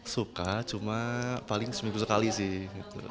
suka cuma paling seminggu sekali sih